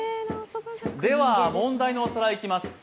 では、問題のおさらい、いきます。